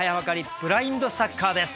ブラインドサッカーです。